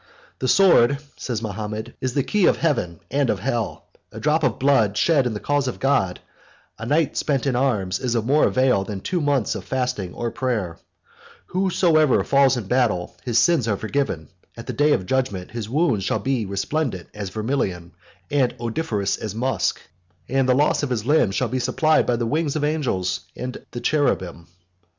"The sword," says Mahomet, "is the key of heaven and of hell; a drop of blood shed in the cause of God, a night spent in arms, is of more avail than two months of fasting or prayer: whosoever falls in battle, his sins are forgiven: at the day of judgment his wounds shall be resplendent as vermilion, and odoriferous as musk; and the loss of his limbs shall be supplied by the wings of angels and cherubim."